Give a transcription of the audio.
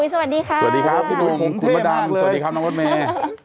สวัสดีครับพี่นุ่มคุณบดำสวัสดีครับน้องบอสเมย์